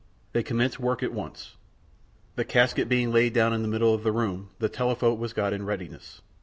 They commenced work at once. The casket being laid down in the middle of the room, the telephote was got in readiness.